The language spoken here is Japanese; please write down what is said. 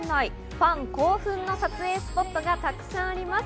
ファン興奮の撮影スポットがたくさんあります。